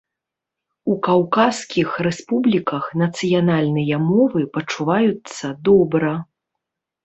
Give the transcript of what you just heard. У каўказскіх рэспубліках нацыянальныя мовы пачуваюцца добра.